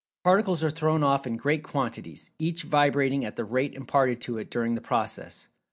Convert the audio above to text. The particles are thrown off in great quantities each vibrating at the rate imparted to it during the process.